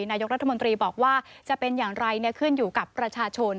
นายกรัฐมนตรีบอกว่าจะเป็นอย่างไรขึ้นอยู่กับประชาชน